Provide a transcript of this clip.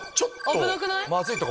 危なくない？